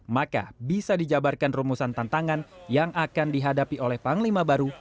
maka bisa dijabarkan rumusan tantangan yang akan dihadapi oleh panglima baru